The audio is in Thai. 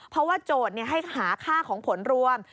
เพราะว่าโจทย์ให้หาค่าของผลรวม